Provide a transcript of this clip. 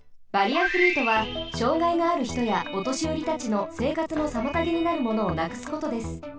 バリアフリーとは障害があるひとやおとしよりたちのせいかつのさまたげになるものをなくすことです。